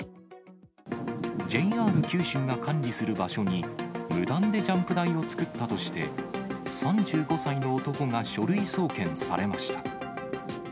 ＪＲ九州が管理する場所に無断でジャンプ台を作ったとして、３５歳の男が書類送検されました。